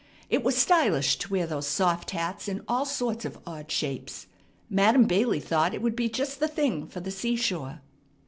It was stylish to wear those soft hats in all sorts of odd shapes. Madam Bailey thought it would be just the thing for the seashore.